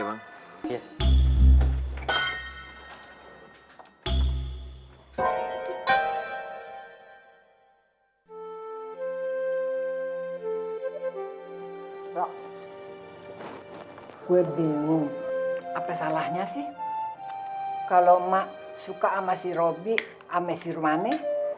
hai mbak gue bingung apa salahnya sih kalau mak suka ama si robby ame sirwani